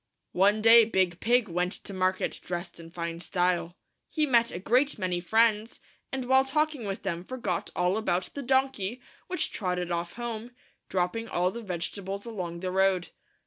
One day Big Pig went to market drest in fine style. He met a great many friends, and while talking with them forgot all about the donkey, which trotted off home, dropping all the vegetables along the road.